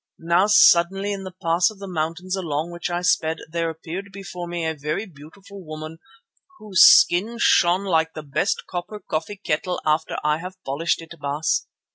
Now suddenly in the pass of the mountains along which I sped, there appeared before me a very beautiful woman whose skin shone like the best copper coffee kettle after I have polished it, Baas.